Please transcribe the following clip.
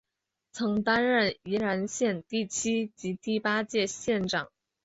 曾担任宜兰县第七及八届县长。